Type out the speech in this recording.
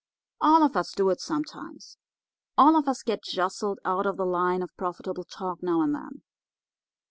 "All of us do it sometimes. All of us get jostled out of the line of profitable talk now and then.